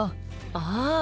ああ！